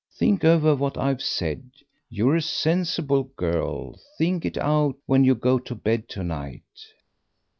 Think over what I've said; you're a sensible girl; think it out when you go to bed to night."